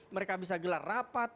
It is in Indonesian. mereka bisa gelar rapat